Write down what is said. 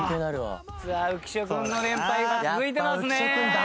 さあ浮所君の連敗が続いてますね。